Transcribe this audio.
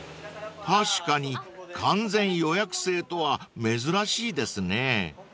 ［確かに完全予約制とは珍しいですね］